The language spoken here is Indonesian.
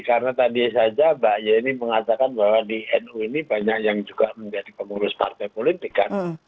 karena tadi saja mbak yahya ini mengatakan bahwa di nu ini banyak yang juga menjadi pengurus partai politik kan